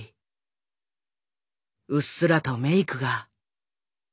うっすらとメイクが。